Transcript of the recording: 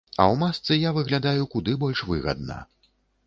А ў масцы я выглядаю куды больш выгадна.